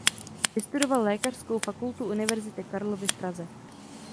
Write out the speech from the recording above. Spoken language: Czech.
Vystudoval Lékařskou fakultu University Karlovy v Praze.